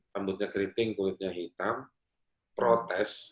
rambutnya keriting kulitnya hitam protes